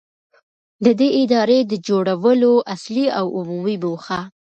، د دې ادارې د جوړولو اصلي او عمومي موخه.